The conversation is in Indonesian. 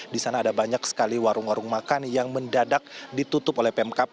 di sana ada banyak sekali warung warung makan yang mendadak ditutup oleh pemkap